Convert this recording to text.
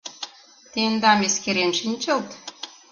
Тендам эскерен шинчылт!..